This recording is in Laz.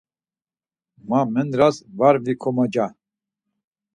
Ma mendras var vikomoca.